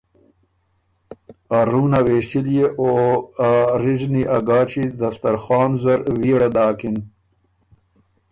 ا رُون ا وېݭِليې او ا ریزنی ا ګاچی دسترخوان زر ویړه داکِن۔